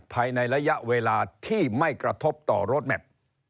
ภายในระยะเวลาที่ไม่กระทบต่อรถแมพ